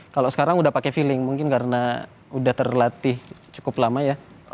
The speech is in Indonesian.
kalau sekarang udah pakai feeling mungkin karena udah terlatih cukup lama ya